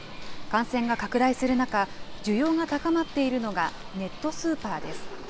感染が拡大する中、需要が高まっているのが、ネットスーパーです。